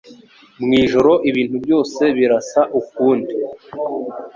Mwijoro ibintu byose birasa ukundi